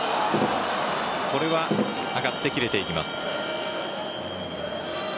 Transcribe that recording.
これは上がって切れていきます。